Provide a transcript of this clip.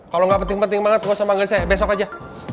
kalau nggak penting penting banget gak usah manggil saya besok aja